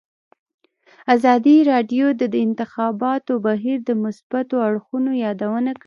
ازادي راډیو د د انتخاباتو بهیر د مثبتو اړخونو یادونه کړې.